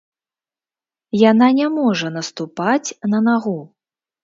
Яна не можа наступаць на нагу.